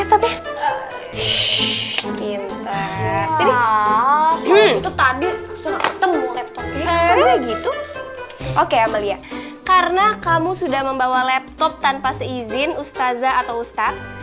laptopnya itu tadi oke amalia karena kamu sudah membawa laptop tanpa seizin ustazah atau ustadz